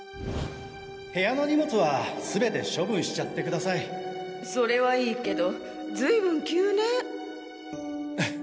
部屋の荷物は全て処分しちゃってくだそれはいいけどずい分急ね